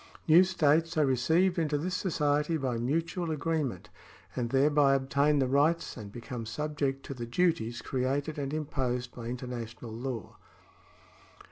New states are re ceived into this society by mutual agreement, and thereby obtain the rights and become subject to the duties created and imposed by international law.